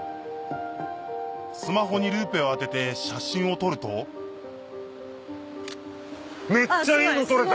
スマホにルーペを当てて写真を撮るとめっちゃいいの撮れた！